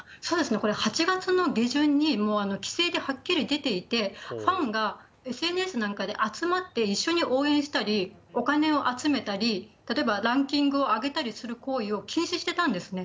これ８月の下旬に規制ではっきり出ていて、ファンがＳＮＳなんかで集まって一緒に応援したり、お金を集めたり、例えばランキングを上げたりする行為を禁止してたんですね。